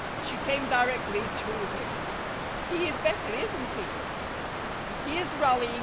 She came directly to him. "He is better, isn't he?" "He is rallying.